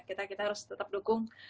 kita harus tetap dukung